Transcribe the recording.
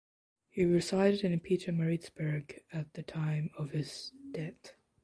He resided in Pietermaritzburg at the time of his death.